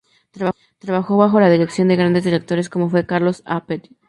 Trabajó bajo la dirección de grandes directores como fue Carlos A. Petit.